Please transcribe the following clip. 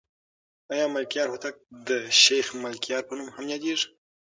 آیا ملکیار هوتک د شیخ ملکیار په نوم هم یادېږي؟